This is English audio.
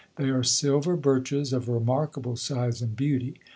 They are silver birches of remarkable size and beauty.